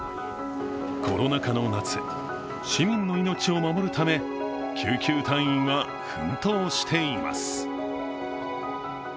コロナ禍の夏、市民の命を守るため救急隊員は奮闘しています。